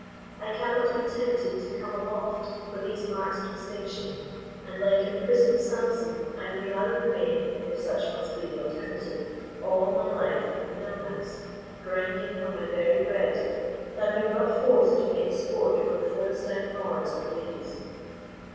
I cannot be tempted to "come aloft" for these marks of distinction, and, like imprisoned Samson, I would rather remain—if such must be the alternative—all my life in the mill house, grinding for my very bread, than be brought forth to make sport for the Philistine lords and ladies.